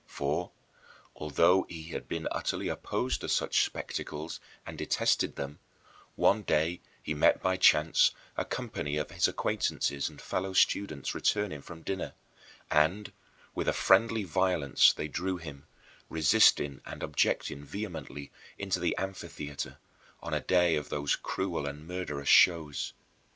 For, although he had been utterly opposed to such spectacles and detested them, one day he met by chance a company of his acquaintances and fellow students returning from dinner; and, with a friendly violence, they drew him, resisting and objecting vehemently, into the amphitheater, on a day of those cruel and murderous shows.